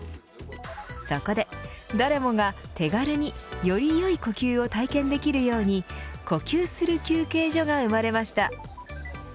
そこで、誰もが手軽により良い呼吸を体験できるように呼吸する休憩所が生まれました。